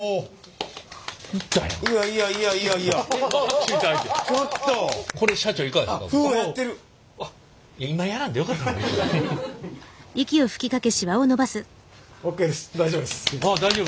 ああ大丈夫。